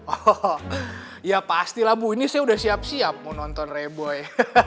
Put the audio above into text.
oh ya pastilah bu ini saya udah siap siap mau nonton reboy